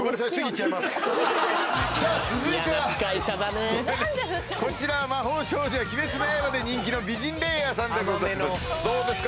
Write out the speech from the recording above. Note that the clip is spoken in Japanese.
さあ続いてはこちら「魔法少女」や「鬼滅の刃」で人気の美人レイヤーさんでございますどうですか？